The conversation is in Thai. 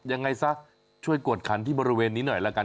ยังไงซะช่วยกวดขันที่บริเวณนี้หน่อยละกัน